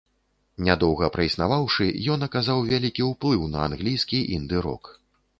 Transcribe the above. Нядоўга праіснаваўшы, ён аказаў вялікі ўплыў на англійскі інды-рок.